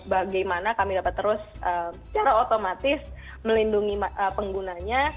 bagaimana kami dapat terus secara otomatis melindungi penggunanya